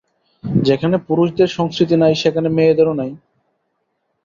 যেখানে পুরুষদের সংস্কৃতি নাই, সেখানে মেয়েদেরও নাই।